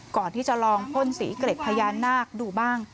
ก่อนที่จะลองพ่นสีเกร็ดพญานาคดูบ้าง